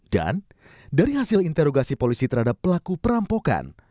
dan dari hasil interogasi polisi terhadap pelaku perampokan